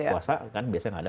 puasa kan biasanya nggak ada